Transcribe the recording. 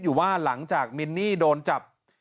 อยู่ว่าหลังจากมินนี่โดนจับ